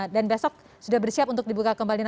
dan besok sudah bersiap untuk dibuka kembali